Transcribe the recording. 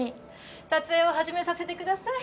撮影を始めさせてください。